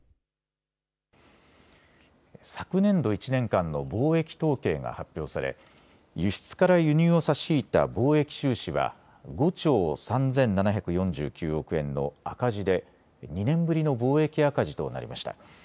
昨年度１年間の貿易統計が発表され、輸出から輸入を差し引いた貿易収支は５兆３７４９億円の赤字で２年ぶりの貿易赤字となりました。